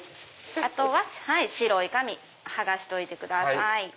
あとは白い紙剥がしといてください。